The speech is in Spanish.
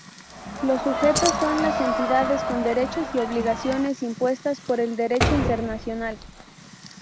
Los sujetos son las entidades con derechos y obligaciones impuestas por el Derecho internacional.